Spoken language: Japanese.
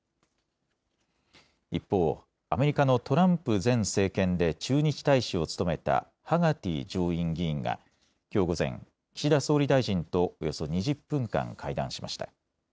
一方、アメリカのトランプ前政権で駐日大使を務めたハガティ上院議員がきょう午前、岸田総理大臣とおよそ２０分間、会談しました。